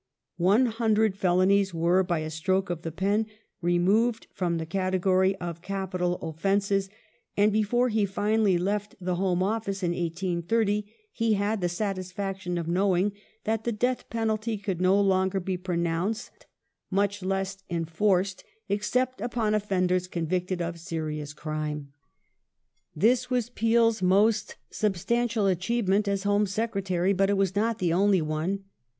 One hundred felonies were by a stroke of the pen removed from the category of capital offences, and before he finally left the Home Office in 1830 he had the satisfaction of knowing that the death penalty could no longer be pronounced, much less enforced, except upon offender's convicted of serious crime. This was Peel's most substantial achievement as Home Secretary, but it was not the only one.